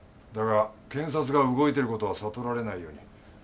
だが検察が動いてる事は悟られないように。